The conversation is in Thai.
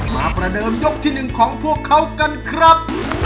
ประเดิมยกที่๑ของพวกเขากันครับ